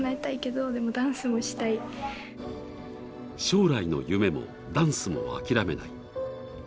将来の夢もダンスも諦めない。